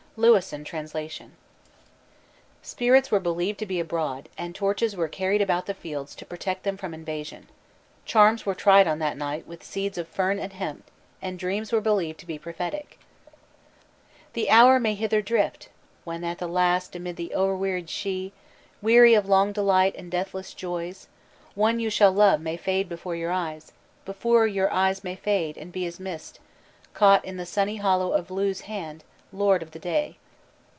_ (Lewisohn trans.) Spirits were believed to be abroad, and torches were carried about the fields to protect them from invasion. Charms were tried on that night with seeds of fern and hemp, and dreams were believed to be prophetic. Lugh, in old Highland speech "the summer sun" "The hour may hither drift When at the last, amid the o'erwearied Shee Weary of long delight and deathless joys One you shall love may fade before your eyes, Before your eyes may fade, and be as mist Caught in the sunny hollow of Lu's hand, Lord of the Day."